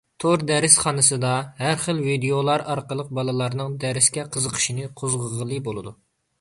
تور دەرسخانىسىدا ھەر خىل ۋىدىيولار ئارقىلىق بالىلارنىڭ دەرسكە قىزىقىشىنى قوزغىغىلى بولىدۇ.